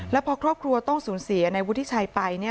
แล้วพอครอบครัวต้องสูญเสียในวุฒิชัยไป